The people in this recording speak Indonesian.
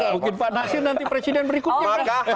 mungkin pak nasir nanti presiden berikutnya